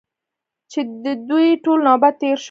چې د دوی ټولو نوبت تېر شو.